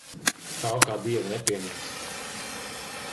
Stāv kā dieva nepieņemts.